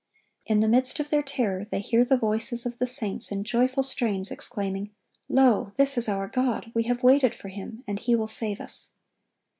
In the midst of their terror they hear the voices of the saints in joyful strains exclaiming, "Lo, this is our God; we have waited for Him, and He will save us."